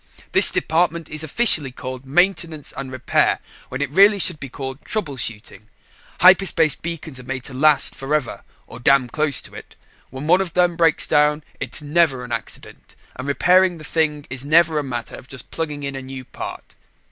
"This department is officially called Maintenance and Repair, when it really should be called trouble shooting. Hyperspace beacons are made to last forever or damn close to it. When one of them breaks down, it is never an accident, and repairing the thing is never a matter of just plugging in a new part."